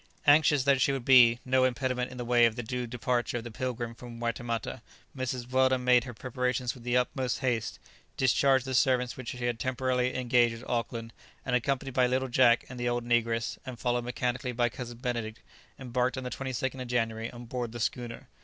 Anxious that she should be no impediment in the way of the due departure of the "Pilgrim" from Waitemata, Mrs. Weldon made her preparations with the utmost haste, discharged the servants which she had temporarily engaged at Auckland, and accompanied by little Jack and the old negress, and followed mechanically by Cousin Benedict, embarked on the 22nd of January on board the schooner.